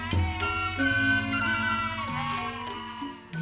bukan air lirah sinar